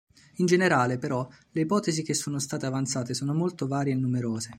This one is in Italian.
In generale, però, le ipotesi che sono state avanzate sono molto varie e numerose.